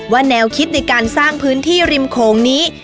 แนวคิดในการสร้างพื้นที่ริมโขงนี้